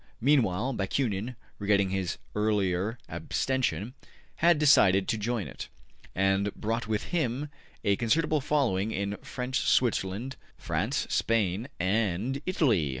Meanwhile Bakunin, regretting his earlier abstention, had decided to join it, and he brought with him a considerable following in French Switzerland, France, Spain and Italy.